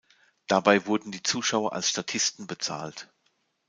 Dabei wurden die Zuschauer als Statisten bezahlt.